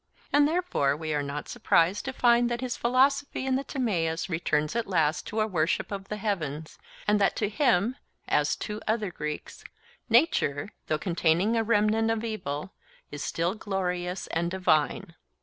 And therefore we are not surprised to find that his philosophy in the Timaeus returns at last to a worship of the heavens, and that to him, as to other Greeks, nature, though containing a remnant of evil, is still glorious and divine.